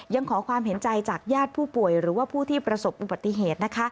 ยังขอความเห็นใจจากญาติผู้ป่วยหรือว่าผู้ที่ประสบอุบัติเหตุ